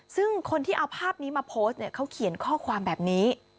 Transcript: ซึ่งคนที่เอาภาพนี้มาโพสต์เนี่ยเขาเขียนข้อความแบบนี้